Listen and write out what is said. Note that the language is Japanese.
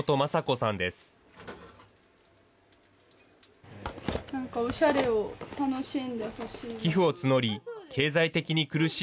なんかおしゃれを楽しんでほしい。